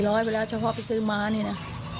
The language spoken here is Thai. ๔๐๐บาทไปแล้วเฉพาะไปซื้อมานี่นะ